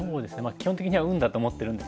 基本的には運だと思ってるんですけど。